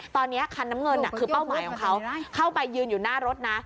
ตอนนี้คันน้ำเงินคือเป้าหมายของเขาเข้าไปยืนอยู่หน้ารถนะ